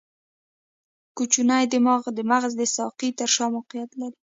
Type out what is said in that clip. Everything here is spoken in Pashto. کوچنی دماغ د مغز د ساقې تر شا موقعیت لري.